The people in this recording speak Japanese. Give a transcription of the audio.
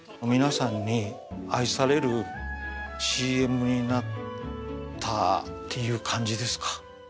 皆さんに愛されるＣＭになったっていう感じですか。